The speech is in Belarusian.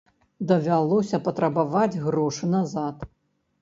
Давялося патрабаваць грошы назад.